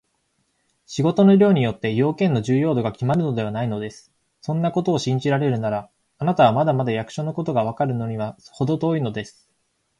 仕事の量によって、用件の重要度がきまるのではないのです。そんなことを信じられるなら、あなたはまだまだ役所のことがわかるのにはほど遠いのです。